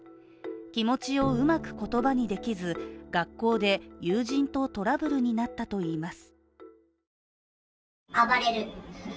気持ちをうまく言葉にできず、学校で友人とトラブルになったといいます。